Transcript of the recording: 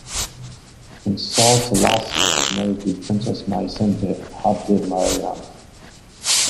Prince Sahle Selassie was married to Princess Mahisente Habte Mariam.